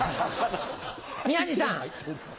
宮治さん。